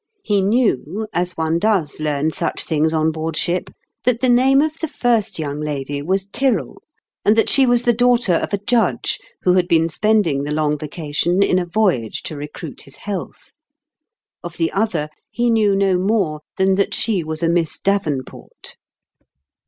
He knew, as one does learn such things on board ship, that the name of the first young lady was Tyrrell, and that she was the daugh ter of a judge who had been spending the Long Yacation in a voyage to recruit his health. Of the other, he knew no more than that she was a Miss Davenport.